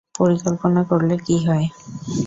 পরিকল্পনা করলে কী হয়!